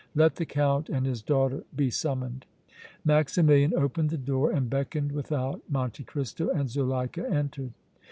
Let the Count and his daughter be summoned." Maximilian opened the door and beckoned without. Monte Cristo and Zuleika entered.